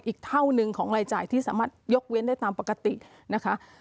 อีกเท่านึงของรายจ่ายที่สามารถยกเว้นได้ตามปกตินะคะ